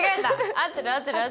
合ってる合ってる。